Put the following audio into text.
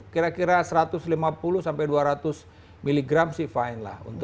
kira kira satu ratus lima puluh dua ratus mg sih fine lah untuk itu